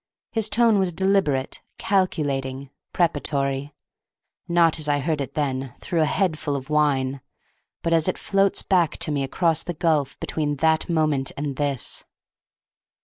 His tone was deliberate, calculating, preparatory; not as I heard it then, through a head full of wine, but as it floats back to me across the gulf between that moment and this.